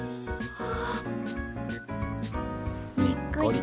あ。